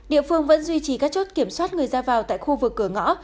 địa phương vẫn duy trì các chốt kiểm soát người ra vào tại khu vực cửa ngõ